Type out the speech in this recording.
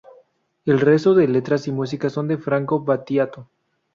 El resto de letras y música son de Franco Battiato.